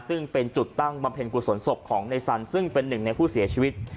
ซึ่งเป็นจุดตั้งบำเพ็ญกุศลศพของในสันซึ่งเป็นหนึ่งในผู้เสียชีวิต